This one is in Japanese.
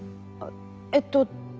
えっと。